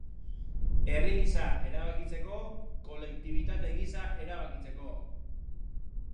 Herri gisa erabakitzeko, kolektibitate gisa erabakitzeko.